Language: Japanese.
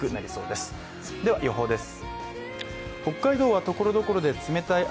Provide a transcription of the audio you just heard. では予報です。